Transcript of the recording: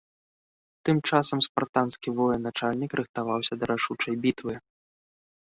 Тым часам спартанскі военачальнік рыхтаваўся да рашучай бітвы.